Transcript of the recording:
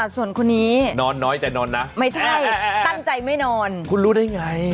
ส่วนคนนี้ไม่ใช่ตั้งใจไม่นอนคุณรู้ได้ไง